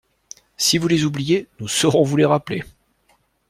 Si vous les oubliez, nous saurons vous les rappeler.